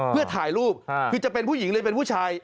เพื่อถ่ายรูปคือจะเป็นผู้หญิงหรือเป็นผู้ชาย